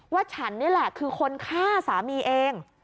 ฉันนี่แหละคือคนฆ่าสามีเอง